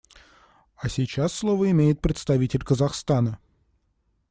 А сейчас слово имеет представитель Казахстана.